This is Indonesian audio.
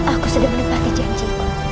aku sudah menepati janji